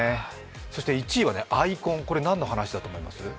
そして１位はアイコン、これ、何の話だと思います？